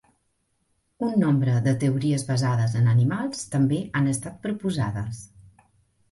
Un nombre de teories basades en animals també han estat proposades.